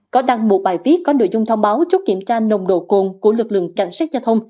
có đăng một bài viết có nội dung thông báo chốt kiểm tra nồng độ cồn của lực lượng cảnh sát giao thông